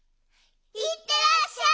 いってらっしゃい！